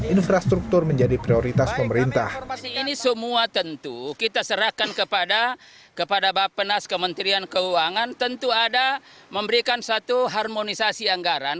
ini semua tentu kita serahkan kepada bapak penas kementerian keuangan tentu ada memberikan satu harmonisasi anggaran